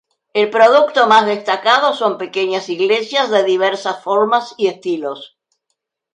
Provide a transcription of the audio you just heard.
El producto más destacado son pequeñas iglesias, de diversas formas y estilos.